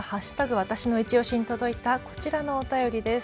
わたしのいちオシに届いたこちらのお便りです。